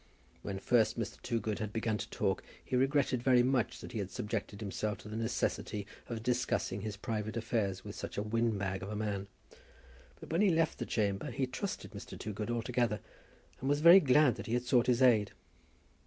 When first Mr. Toogood had begun to talk, he regretted very much that he had subjected himself to the necessity of discussing his private affairs with such a windbag of a man; but when he left the chamber he trusted Mr. Toogood altogether, and was very glad that he had sought his aid.